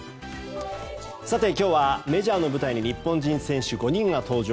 今日はメジャーの舞台に日本人選手５人が登場。